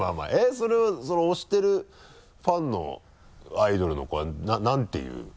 それは推してるファンのアイドルの子は何ていう？